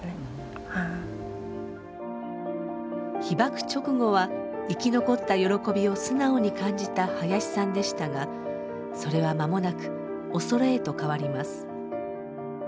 被爆直後は生き残った喜びを素直に感じた林さんでしたがそれは間もなく恐れへと変わります。